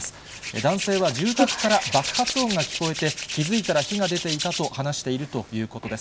男性は住宅から爆発音が聞こえて、気付いたら火が出ていたと話しているということです。